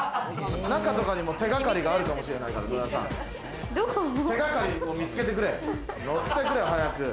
中とかにも手掛かりがあるかもしれないから手掛かりを見つけてくれ！